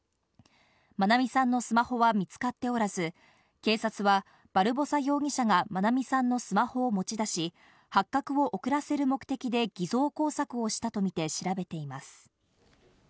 愛美さんのスマホは見つかっておらず、警察はバルボサ容疑者が愛美さんのスマホを持ち出し、発覚を遅らせる目的で偽装工作をしたとみて調べています。